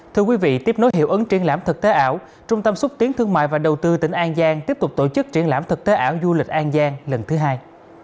thưa quý vị tiếp nối hiệu ứng triển lãm thực tế ảo trung tâm xúc tiến thương mại và đầu tư tỉnh an giang tiếp tục tổ chức triển lãm thực tế ảo du lịch an giang lần thứ hai